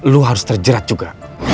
lo harus terjerat juga